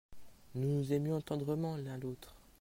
Nous nous aimions tendrement l'un l'autre.